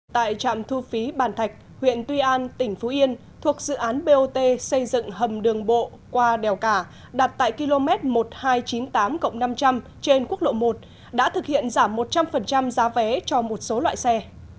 tại trạm thu phí bàn thạch huyện tuy an tỉnh phú yên thuộc dự án bot xây dựng hầm đường bộ qua đèo cả đặt tại km một nghìn hai trăm chín mươi tám năm trăm linh trên quốc lộ một đã thực hiện giảm một trăm linh giá vé cho một số loại xe